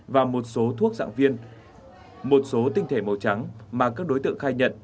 và một số thuốc dạng viên một số tinh thể màu trắng mà các đối tượng khai nhận